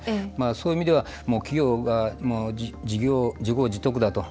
そういう意味では企業が自業自得だと。